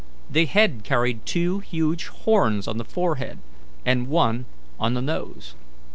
The head carried two huge horns on the forehead and one on the nose.